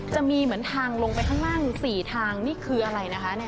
จะมีเหมือนทางลงไปข้างล่าง๔ทางนี่คืออะไรนะคะ